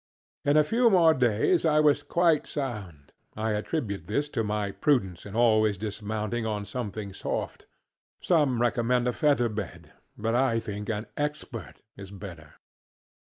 In a few more days I was quite sound. I attribute this to my prudence in always dismounting on something soft. Some recommend a feather bed, but I think an Expert is better.